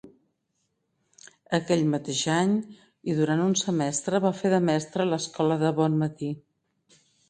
Aquell mateix any, i durant un semestre, va fer de mestre a l'escola de Bonmatí.